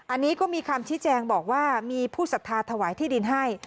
อันนี้ก็มีคำชี้แจงบอกว่ามีผู้สัทธาถวายที่ดินให้